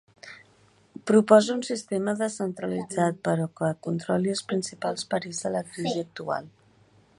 Proposa un sistema descentralitzat però que controli els principals perills de la crisi actual.